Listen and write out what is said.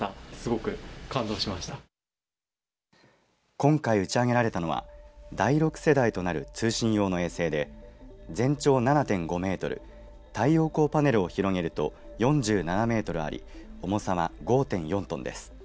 今回打ち上げられたのは第６世代となる通信用の衛星で全長７．５メートル太陽光パネルを広げると４７メートルあり重さは５．４トンです。